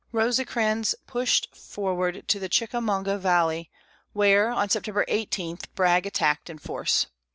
Rosecrans pushed forward to the Chickamauga valley, where, on September 18, Bragg attacked in force.